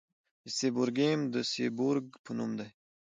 د سیبورګیم د سیبورګ په نوم دی.